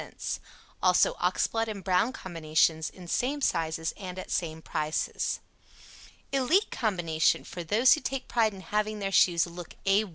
Also Oxblood and Brown Combinations in same sizes and at same prices. "ELITE" Combination for those who take pride in having their shoes look A 1.